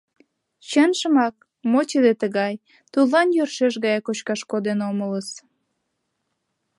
Чынжымак, мо тиде тыгай, тудлан йӧршеш гаяк кочкаш коден омылыс...